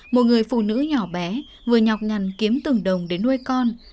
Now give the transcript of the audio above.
một người phụ nữ nhỏ bé vừa nhọc nhằn kiếm từng đồng để nuôi con